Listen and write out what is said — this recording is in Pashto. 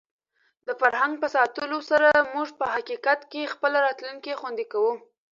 د فرهنګ په ساتلو سره موږ په حقیقت کې خپله راتلونکې خوندي کوو.